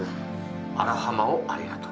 あら浜をありがとう。